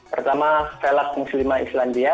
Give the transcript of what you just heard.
pertama velag muslimah islandia